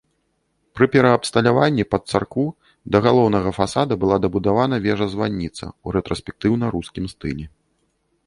Пры пераабсталяванні пад царкву да галоўнага фасада была дабудавана вежа-званіца ў рэтраспектыўна-рускім стылі.